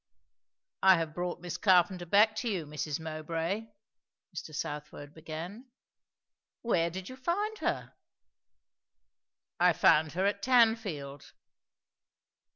"I have brought Miss Carpenter back to you, Mrs. Mowbray," Mr. Southwode began. "Where did you find her?" "I found her at Tanfield."